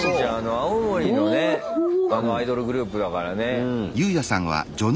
青森のねアイドルグループだからね。